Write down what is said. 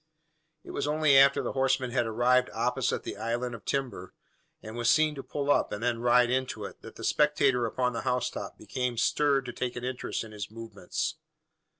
It was only after the horseman had arrived opposite the island of timber, and was seen to pull up, and then ride into it, that the spectator upon the housetop became stirred to take an interest in his movements.